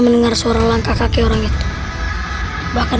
menjadi satu kesatuan